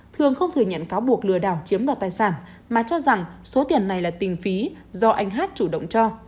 thường không thừa nhận cáo buộc lừa đảo chiếm đoạt tài sản mà cho rằng số tiền này là tình phí do anh hát chủ động cho